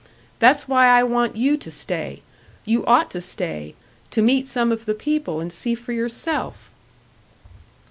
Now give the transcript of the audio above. That's why I want you to stay you ought to stay, to meet some of the people and see for yourself."